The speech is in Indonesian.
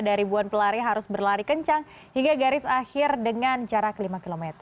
ribuan pelari harus berlari kencang hingga garis akhir dengan jarak lima km